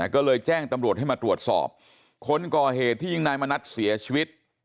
ก็เลยแจ้งตำรวจให้มาตรวจสอบคนก่อเหตุที่ยิงนายมณัฐเสียชีวิต